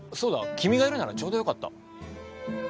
君がいるならちょうどよかった。